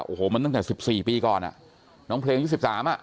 โอ้โหมันตั้งแต่๑๔ปีก่อนอ่ะน้องเพลงอายุ๑๓อ่ะ